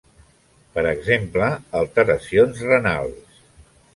Per exemple, alteracions renals.